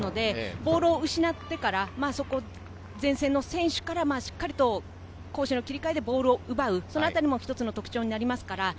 ボールを失ってから前線の選手からしっかりと攻守の切り替えでボールを奪う、そのあたりも一つの特徴になります。